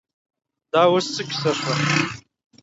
دا اوس څه کیسه شوه.